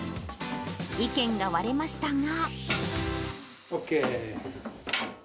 意見が割れましたが。